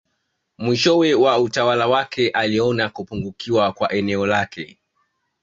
Mwishowe mwa utawala wake aliona kupungukiwa kwa eneo lake